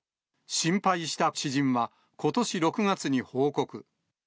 心配した知人は、ことし６月に報告。